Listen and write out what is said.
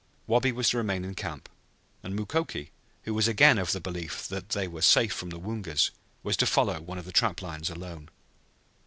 Wabi was to remain in camp, and Mukoki, who was again of the belief that they were safe from the Woongas, was to follow one of the trap lines alone.